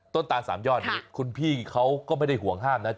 ตาลสามยอดนี้คุณพี่เขาก็ไม่ได้ห่วงห้ามนะ